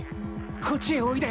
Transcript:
こっちへおいで。